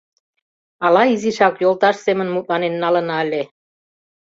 — Ала изишак йолташ семын мутланен налына ыле?